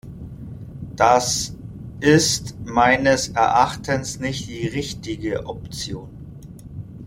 Das ist meines Erachtens nicht die richtige Option.